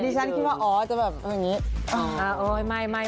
ฉันคิดว่าอ๋อจะแบบอย่างนี้